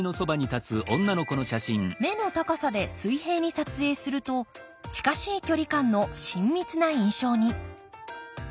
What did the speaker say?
目の高さで水平に撮影すると近しい距離感の親密な印象に。